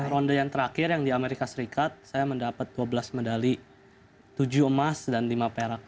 ronde yang terakhir yang di amerika serikat saya mendapat dua belas medali tujuh emas dan lima perak